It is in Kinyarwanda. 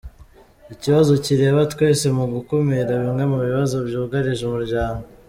Ikibazo kireba twese mu gukumira bimwe mu bibazo byugarije umuryango.